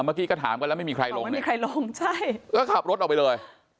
เมื่อกี้ก็ถามกันแล้วไม่มีใครลงไม่มีใครลงใช่ก็ขับรถออกไปเลย